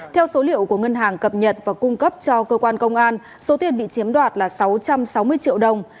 theo số liệu của ngân hàng cập nhật và cung cấp cho cơ quan công an số tiền bị chiếm đoạt là sáu trăm sáu mươi triệu đồng